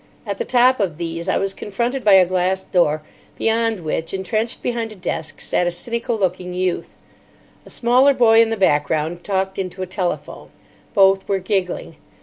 At the top of these I was confronted by a glass door, beyond which, entrenched behind a desk, sat a cynical looking youth. A smaller boy in the background talked into a telephone. Both were giggling.